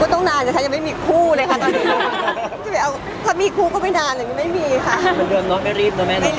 ก็ต้องนานเลยค่ะยังไม่มีอีกคู่เลยค่ะถ้ามีอีกคู่ก็ไม่นานเลยยังไม่มีค่ะ